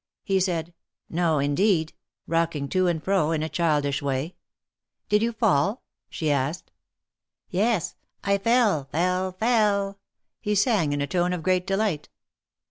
He said: No, indeed ! rocking to and fro, in a childish way. ^^Did you fall?'' she asked. Yes. I fell — fell — fell," he sang, in a tone of great del ight.